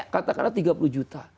katakanlah tiga puluh juta